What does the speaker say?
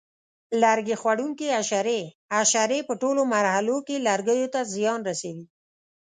لرګي خوړونکي حشرې: حشرې په ټولو مرحلو کې لرګیو ته زیان رسوي.